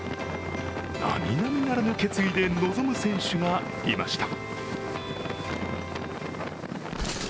並々ならぬ決意で臨む選手がいました。